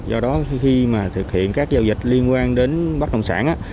do đó khi mà thực hiện các giao dịch liên quan đến bất đồng sản